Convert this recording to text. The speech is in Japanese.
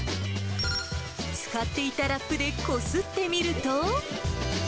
使っていたラップでこすってみる